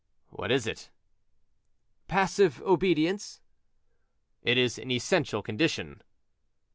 "What is it?" "Passive obedience." "It is an essential condition."